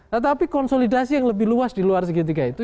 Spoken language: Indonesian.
tetapi konsolidasi yang lebih luas di luar segitiga itu